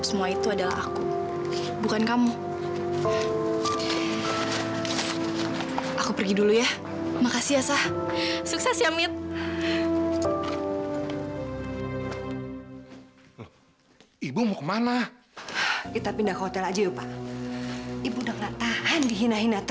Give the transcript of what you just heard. sampai jumpa di video selanjutnya